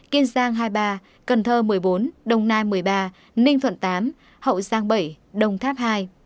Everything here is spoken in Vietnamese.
kiên giang hai mươi ba cần thơ một mươi bốn đồng nai một mươi ba ninh thuận tám hậu giang bảy đồng tháp ii